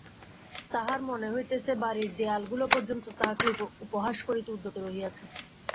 তাহার মনে হইতেছে, বাড়ির দেওয়ালগুলো পর্যন্ত তাহাকে উপহাস করিতে উদ্যত রহিয়াছে।